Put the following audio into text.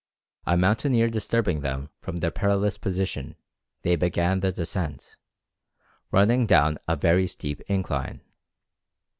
A mountaineer disturbing them from their perilous position, they began the descent, running down a very steep incline.